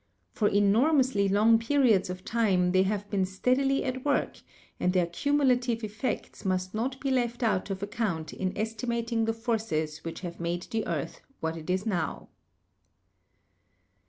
For enormously long periods of time they have been steadily at work, and their cumulative effects must not be left out of account in estimating the forces which have made the earth what it now is.